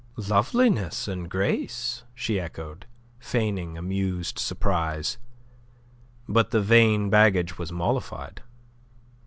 "Loveliness and grace!" she echoed, feigning amused surprise. But the vain baggage was mollified.